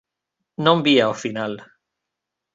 Non vía o final.